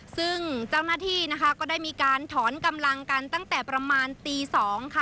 ซึ่งเจ้าหน้าที่นะคะก็ได้มีการถอนกำลังกันตั้งแต่ประมาณตี๒ค่ะ